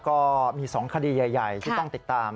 ก็มี๒คดีใหญ่ที่ต้องติดตาม